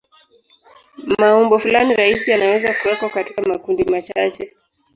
Maumbo fulani rahisi yanaweza kuwekwa katika makundi machache.